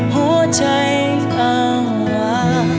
หัวใจยังว่า